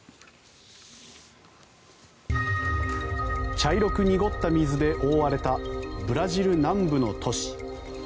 茶色く濁った水で覆われたブラジル南部の都市。